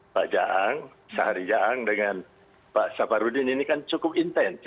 pak jaang syahri jaang dengan pak safarudin ini kan cukup intens